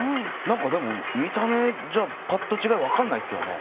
何かでも見た目じゃパッと違い分かんないですよね。